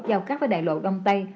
giao cắt với đại lộ đông tây